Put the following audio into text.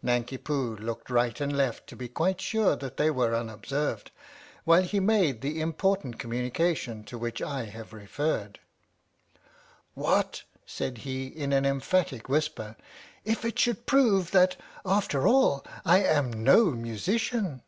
Nanki Poo looked right and left to be quite sure that they were unobserved, while he made the im portant communication to which I have referred. "What," said he in an emphatic whisper, "if it should prove that, after all, I am no musician